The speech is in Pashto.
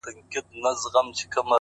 د زړه جيب كي يې ساتم انځورونه _گلابونه _